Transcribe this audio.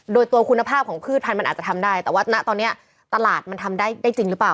โดยตัวคุณภาพของพืชพันธุ์มันอาจจะทำได้แต่ว่าณตอนนี้ตลาดมันทำได้ได้จริงหรือเปล่า